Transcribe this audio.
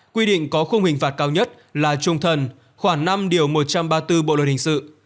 quy định có khung hình phạt cao nhất là trung thần khoảng năm điều một trăm ba mươi bốn bộ luật hình sự